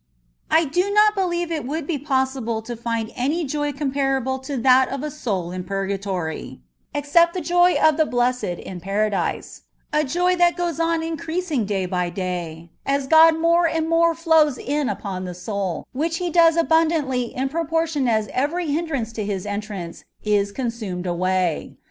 I DO not believe it would be possible to ùnd any Joy comparable to that of a soul in purgatory, ex cept the Joy of the blessed in paradise, — a joy which goes on increasing day by day, as God more and more £owB in upon the soul, which He does abundantly in proportion as every hindrance to His entranoe is consumed away.